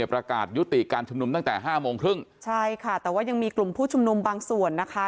ประกาศยุติการชุมนุมตั้งแต่ห้าโมงครึ่งใช่ค่ะแต่ว่ายังมีกลุ่มผู้ชุมนุมบางส่วนนะคะ